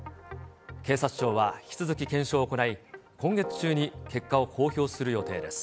警察庁は引き続き検証を行い、今月中に結果を公表する予定です。